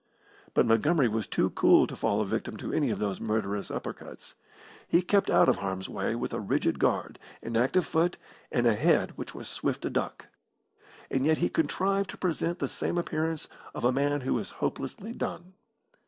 But Montgomery was too cool to fall a victim to any of those murderous upper cuts. He kept out of harm's way with a rigid guard, an active foot, and a head which was swift to duck. And yet he contrived to present the same appearance of a man who is hopelessly done.